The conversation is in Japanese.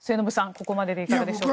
ここまででいかがでしょうか。